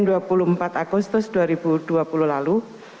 tanggal dua puluh empat agustus dua ribu dua puluh lalu